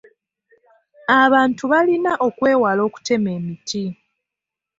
Abantu balina okwewala okutema emiti.